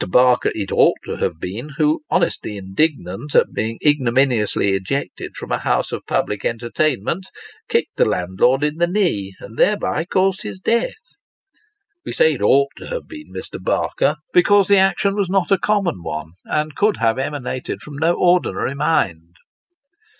Barker it ought to have been, who honestly indignant at being ignominiously ejected from a house of public enter tainment, kicked the landlord in the knee, and thereby caused his death. We say it ought to have been Mr. Barker, because the action \vas not a common one, and could have emanated from no ordinary mind.